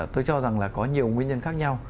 tôi cho rằng là có nhiều nguyên nhân khác nhau